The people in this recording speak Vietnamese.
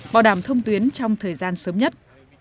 bảo đảm thông tuyến trong thời gian sớm nhất